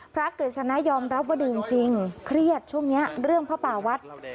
กฤษณะยอมรับว่าดีจริงเครียดช่วงนี้เรื่องพระป่าวัด